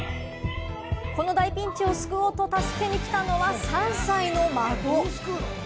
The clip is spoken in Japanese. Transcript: この大ピンチを救おうと助けに来たのは、３歳の孫。